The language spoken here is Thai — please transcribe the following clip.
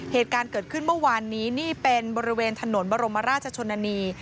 เหตุการณ์เกิดขึ้นเมื่อวานนี้นี่เป็นบริเวณถนนบรมราชชนนานี